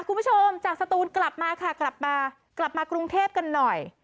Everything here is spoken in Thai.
คุณผู้ชมจากสตูนกลับมาค่ะกลับมากลับมากรุงเทพกันหน่อย